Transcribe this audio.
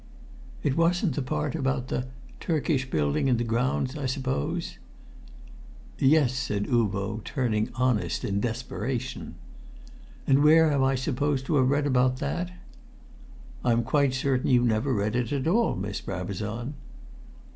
"It wasn't the part about the the Turkish building in the grounds I suppose?" "Yes," said Uvo, turning honest in desperation. "And where am I supposed to have read about that?" "I'm quite certain you never read it at all, Miss Brabazon!"